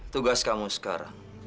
tugas kamu sekarang